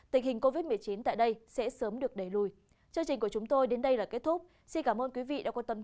tình hình covid một mươi chín tại đây sẽ sớm được đẩy lùi